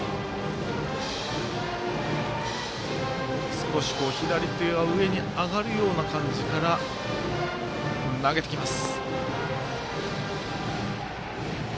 少し左手が上に上がるような感じから投げてきます。